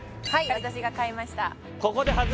私が買いました